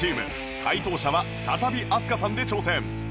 解答者は再び飛鳥さんで挑戦